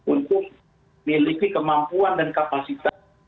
untuk miliki kemampuan dan kapasitas